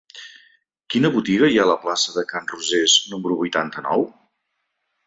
Quina botiga hi ha a la plaça de Can Rosés número vuitanta-nou?